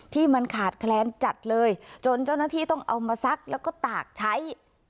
ที่มันขาดแคลนจัดเลยจนเจ้าหน้าที่ต้องเอามาซักแล้วก็ตากใช้